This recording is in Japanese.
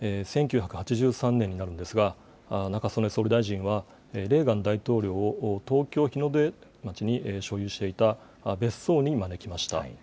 １９８３年になるんですが、中曽根総理大臣は、レーガン大統領を東京・日の出町に所有していた別荘に招きました。